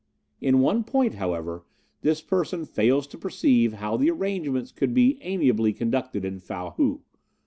'In one point, however, this person fails to perceive how the arrangement could be amiably conducted in Fow Hou.